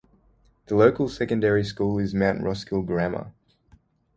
The local secondary school is Mount Roskill Grammar.